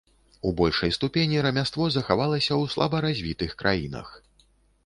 У большай ступені рамяство захавалася ў слабаразвітых краінах.